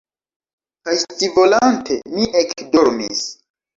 Kaj scivolante, mi ekdormis.